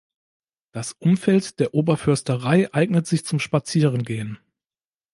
Das Umfeld der Oberförsterei eignet sich zum Spazieren gehen.